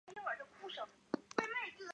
现任主编为张珑正。